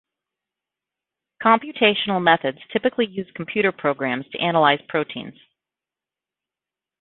Computational methods typically use computer programs to analyze proteins.